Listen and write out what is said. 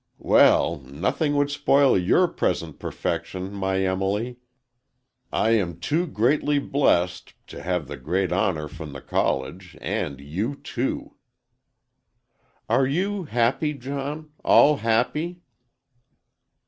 "Well nothing would spoil your present perfection, my Emily. I am too greatly blest,—to have the great honor from the college,—and you, too!" "Are you happy, John? All happy?"